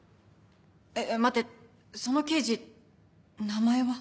待ってその刑事名前は？